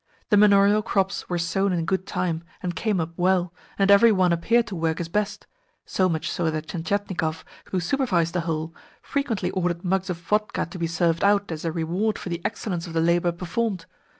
The manorial crops were sown in good time, and came up well, and every one appeared to work his best, so much so that Tientietnikov, who supervised the whole, frequently ordered mugs of vodka to be served out as a reward for the excellence of the labour performed.